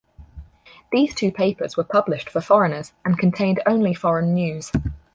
These two papers were published for foreigners, and contained only foreign news.